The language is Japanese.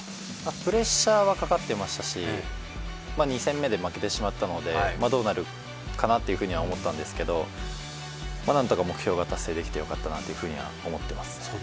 プレッシャーはかかってましたし、２戦目で負けてしまったので、どうなるかなっていうふうには思ったんですけど何とか目標が達成できてよかったなと思っています。